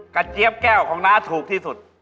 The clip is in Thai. เจี๊ยบแก้วของน้าถูกที่สุด